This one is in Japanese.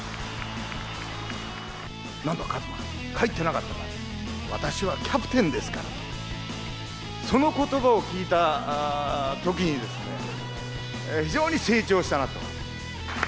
なんだ和真、帰ってなかったのか、私はキャプテンですから、そのことばを聞いたときにですね、非常に成長したなと。